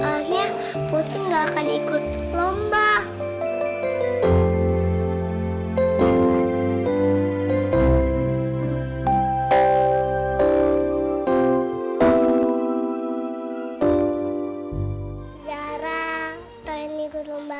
tapi maaf ya sepertinya putri gak pakai baju ini di hari perlombaan